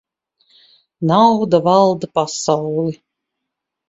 Nauda valda pasauli.